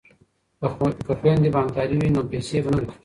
که خویندې بانکدارې وي نو پیسې به نه ورکیږي.